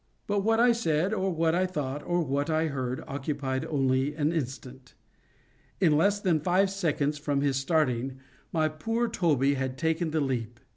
But what I said, or what I thought, or what I heard, occupied only an instant. In less than five seconds from his starting, my poor Toby had taken the leap.